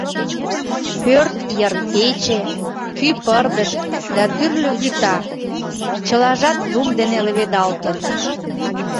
Пӧрт йыр пече, кӱ пырдыж да тӱрлӧ вӱта — чылажат лум дене леведалтын.